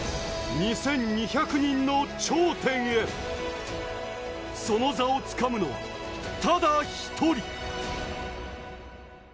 ２２００人の頂点へ、その座を掴むのは、ただ１人。